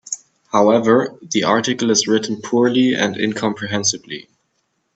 However, the article is written poorly and incomprehensibly.